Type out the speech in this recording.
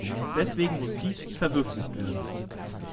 Deswegen muss dies verwirklicht werden.